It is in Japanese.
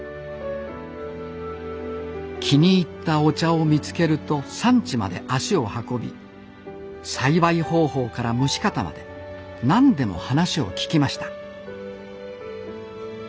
気に入ったお茶を見つけると産地まで足を運び栽培方法から蒸し方まで何でも話を聞きました